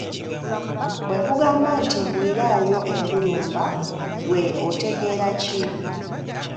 Bwe nkugamba nti nguliraayo e Ndulumba ggwe otegeera ki?